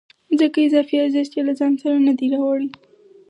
ځکه اضافي ارزښت یې له ځان سره نه دی راوړی